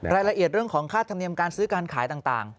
รายละเอียดเรื่องของค่าธรรมเนียมการซื้อการขายต่าง